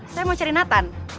saya mau cari nathan